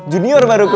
junior baru gue